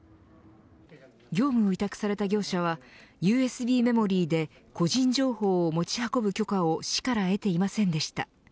業務を委託された業者はＵＳＢメモリーで個人情報を持ち運ぶ許可を市から得ていませんでした。